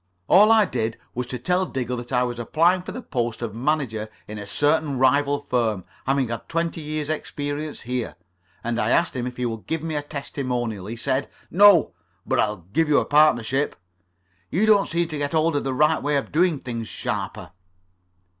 All I did was to tell Diggle that I was applying for the post of manager in a certain rival firm, having had twenty years' experience here. And I asked him if he would give me a testimonial. He said: 'No, but I will give you a partnership.' You don't seem to get hold of the right way of doing things, Sharper."